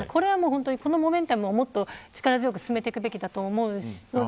このモメンタルを力強く進めていくべきだと思います。